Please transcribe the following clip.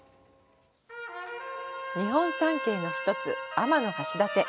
日本三景の１つ、天橋立。